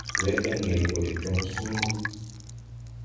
Wɛrga ŋgel gɔ de jɔŋ suŋgu.